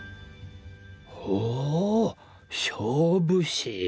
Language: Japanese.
ほお勝負師。